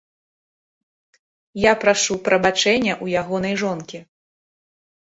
Я прашу прабачэння ў ягонай жонкі.